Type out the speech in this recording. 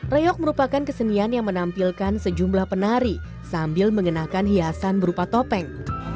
reok merupakan kesenian yang menampilkan sejumlah penari sambil mengenakan hiasan berupa topeng